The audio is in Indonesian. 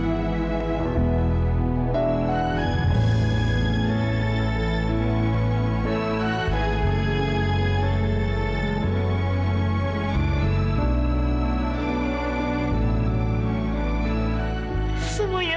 ibu bukan pembohong